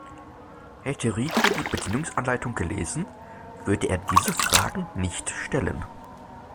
Hätte Rico die Bedienungsanleitung gelesen, würde er diese Fragen nicht stellen.